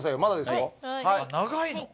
長いの？